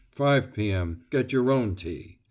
5 p.m. Get your own tea. 5.